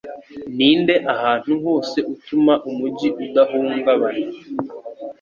ninde ahantu hose utuma umujyi udahungabana